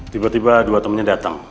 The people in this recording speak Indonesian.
tiba tiba dua temannya datang